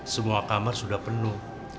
semua kamar sudah penuh